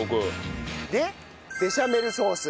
でベシャメルソース。